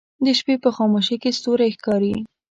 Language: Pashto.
د شپې په خاموشۍ کې ستوری ښکاري